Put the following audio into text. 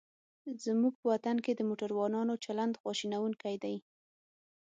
زموږ په وطن کې د موټروانانو چلند خواشینوونکی دی.